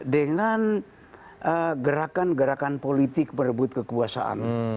dengan gerakan gerakan politik berebut kekuasaan